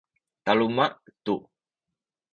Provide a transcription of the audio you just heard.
taluma’ tu